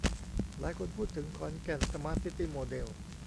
หลายคนพูดถึงขอนแก่นสมาร์ตซิตี้โมเดล